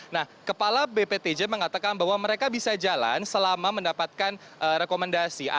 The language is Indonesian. nah kepala bptj mengatakan bahwa mereka bisa jalan selama mendapatkan rekomendasi